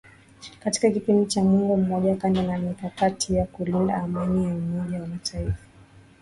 katika kipindi cha muongo mmoja kando na mikakati ya kulinda Amani ya Umoja wa mataifa